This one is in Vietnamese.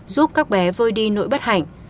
giúp các bé vơi đi nỗi bất hạnh